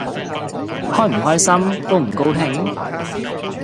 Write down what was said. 開唔開心？高唔高興？